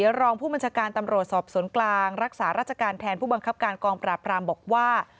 รองผู้บัญชาการตำรวจสอบสวนกลางรักษาราชการแทนผู้บังคับการกองปราบรามบอกว่า